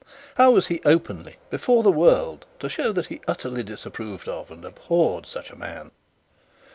How was he openly, before the world, to show that he utterly disapproved of and abhorred such a man?